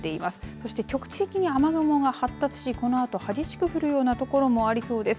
そして局地的に雨雲が発達しこの後激しく降るようなところもありそうです。